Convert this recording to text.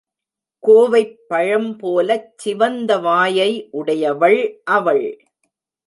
கோவைப் பழம்போலச் சிவந்த வாயை உடையவள் அவள்.